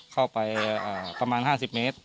เข้าไปประมาณ๕๐เมตร